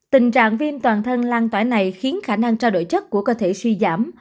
tình trạng viêm toàn thân lan tỏa này khiến khả năng trao đổi chất của cơ thể suy giảm